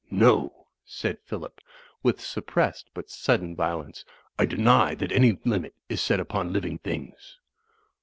"No," said Phillip, with suppressed but sudden vio lence, "I deny that any limit is set upon living things."